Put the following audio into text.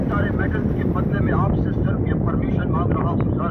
يوسف عليه السلام ته سکينه حاصله سوه.